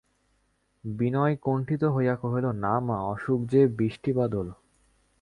বিনয় কুণ্ঠিত হইয়া কহিল, না, মা, অসুখ– যে বৃষ্টিবাদল!